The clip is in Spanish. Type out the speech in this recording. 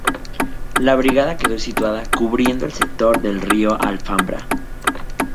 La brigada quedó situada cubriendo en el sector del río Alfambra.